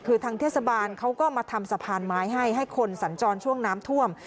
คือทางเทศบาลเขาก็มาทำสะพานไม้ให้ให้คนสัญจรช่วงน้ำท่วม